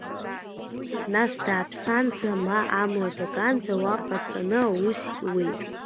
Нас дааԥсаанӡа, ма амла дакаанӡа уаҟа дтәаны аус иуеит.